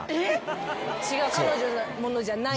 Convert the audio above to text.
彼女のものじゃない。